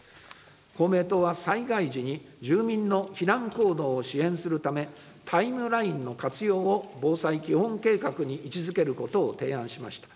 公明党は、災害時に住民の避難行動を支援するため、タイムラインの活用を防災基本計画に位置づけることを提案しました。